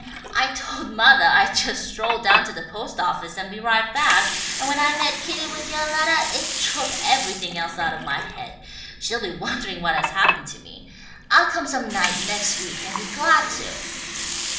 "I told mothah I'd just stroll down to the post office and be right back, and when I met Kitty with yoah lettah it drove everything else out of my head. She'll be wondering what has happened to me. I'll come some night next week and be glad to."